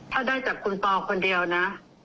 ถ้าได้จากคุณปอคนเดียวนะ